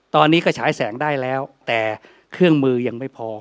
ตอนนี้ก็ฉายแสงได้แล้วแต่เครื่องมือยังไม่พอ